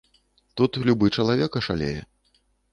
Тут любы чалавек ашалее.